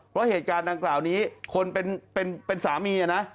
เพราะเหตุการณ์ดังกล่าวนี้คนเป็นสามีนะ